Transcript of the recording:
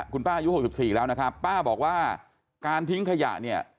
คุณป้าอายุ๖๔แล้วนะครับป้าบอกว่าการทิ้งขยะเนี่ย